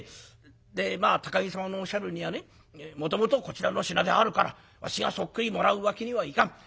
で高木様のおっしゃるにはねもともとこちらの品であるからわしがそっくりもらうわけにはいかん。